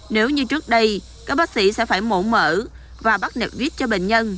nếu như trước đây các bác sĩ sẽ phải mổ mỡ và bắt nẹt vít cho bệnh nhân